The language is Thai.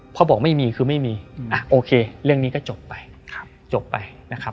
เขาบอกไม่มีคือไม่มีก็โอเคเรื่องนี้ก็จบไป